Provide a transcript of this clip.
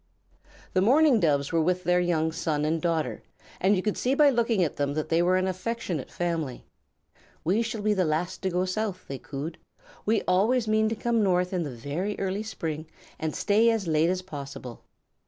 The Mourning Doves were there with their young son and daughter, and you could see by looking at them that they were an affectionate family. "We shall be the last to go South," they cooed. "We always mean to come North in the very early spring and stay as late as possible.